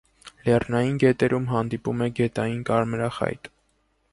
Լեռնային գետերում հանդիպում է գետային կարմրախայտ։